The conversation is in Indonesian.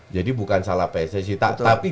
jadi bukan salah pssi tapi